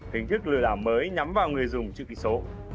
hình thức lừa đảo mới nhắm vào người dùng chữ ký số